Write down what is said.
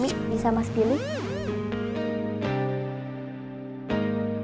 terima kasih ya